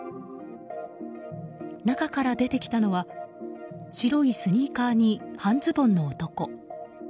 中から出てきたのは白いスニーカーに半ズボンの男。